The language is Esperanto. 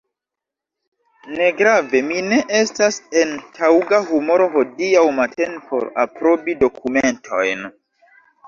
Negrave, mi ne estas en taŭga humoro hodiaŭ matene por aprobi dokumentojn.